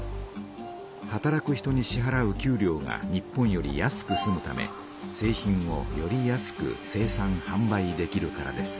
働く人にしはらう給料が日本より安くすむため製品をより安く生産はん売できるからです。